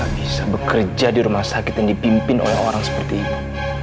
saya tidak bisa bekerja di rumah sakit yang dipimpin oleh orang seperti ibu